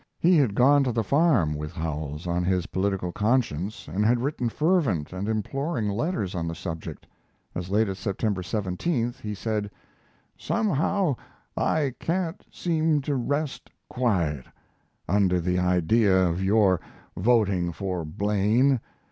He had gone to the farm with Howells on his political conscience and had written fervent and imploring letters on the subject. As late as September 17th, he said: Somehow I can't seem to rest quiet under the idea of your voting for Blaine.